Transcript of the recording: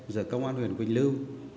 giữa công an huyện quỳnh lưu